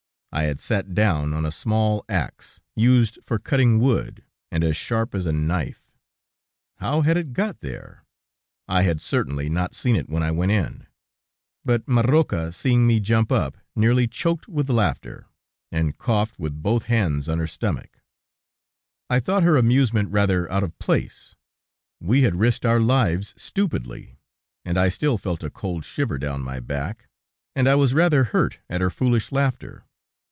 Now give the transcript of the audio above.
I had sat down on a small axe, used for cutting wood, and as sharp as a knife. How had it got there? ... I had certainly not seen it when I went in; but Marroca seeing me jump up, nearly choked with laughter, and coughed with both hands on her stomach. I thought her amusement rather out of place; we had risked our lives stupidly, and I still felt a cold shiver down my back, and I was rather hurt at her foolish laughter.